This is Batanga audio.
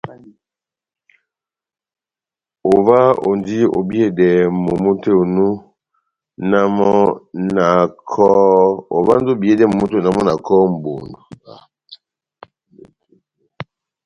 Ová ondi obiyedɛ momó tɛ́h onu, na mɔ́ na kɔ́hɔ́ mʼbondo.